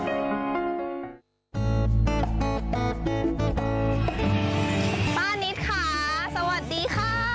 ป้านิดค่ะสวัสดีค่ะ